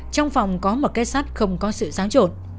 trong phòng có một cái sắt không có sự sáng trột